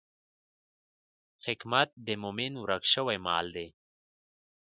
حکمت د مومن ورک شوی مال دی.